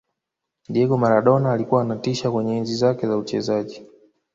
diego maradona alikuwa anatisha kwenye enzi zake za uchezaji